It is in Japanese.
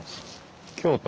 京都？